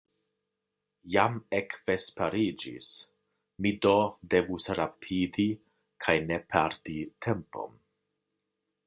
Jam ekvesperiĝis, mi do devus rapidi kaj ne perdi tempon.